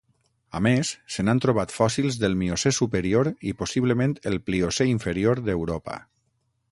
A més, se n'han trobat fòssils del Miocè superior i possiblement el Pliocè inferior d'Europa.